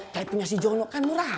kayak punya si jono kan murah